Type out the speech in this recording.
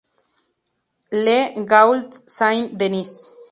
Le Gault-Saint-Denis